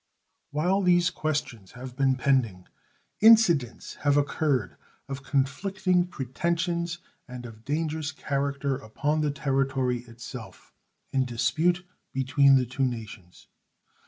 While these questions have been pending incidents have occurred of conflicting pretensions and of dangerous character upon the territory itself in dispute between the two nations.